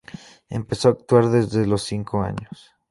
Empezó a actuar desde los cinco años.